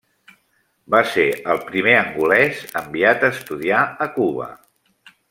Va ser el primer angolès enviat a estudiar a Cuba.